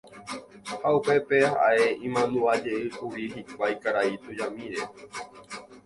Ha upépe ae imandu'ajeýkuri hikuái karai tujamíre.